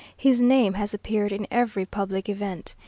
His name has appeared in every public event.